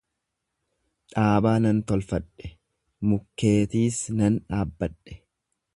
dhaabaa nan tolfadhe, mukkeetiis nan dhaabbadhe;